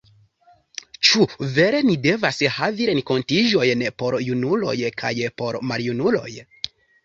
Ĉu vere ni devas havi renkontiĝojn por junuloj kaj por maljunuloj?